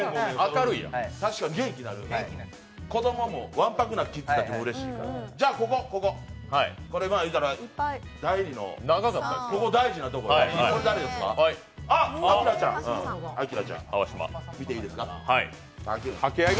確かに元気になる子供もわんぱくなキッズたちもうれしいから、言うたらここ、大事なところだから。